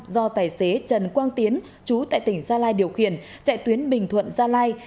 do tài xế trần quang tiến chú tại tỉnh gia lai điều khiển chạy tuyến bình thuận gia lai